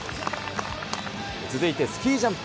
続いてスキージャンプ。